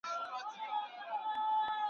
ته چي صبر کوې ټوله مجبوري ده `